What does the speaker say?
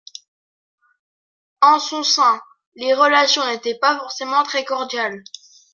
En son sein, les relations n'étaient pas forcément très cordiales.